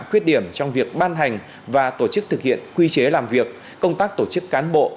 khuyết điểm trong việc ban hành và tổ chức thực hiện quy chế làm việc công tác tổ chức cán bộ